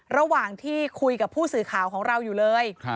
ระหว่างที่คุยกับผู้สื่อข่าวของเราอยู่เลย